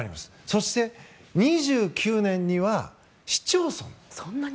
そして、２９年には市町村単位。